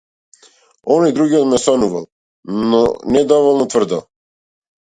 Оној другиот ме сонувал, но недоволно тврдо.